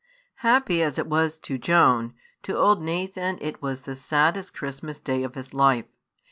Happy as it was to Joan, to old Nathan it was the saddest Christmas Day of his life.